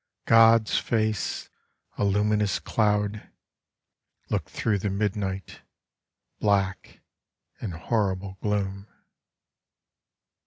God's face, a luminous cloud, Look'd thro' the midnight, black, and horrible gloom.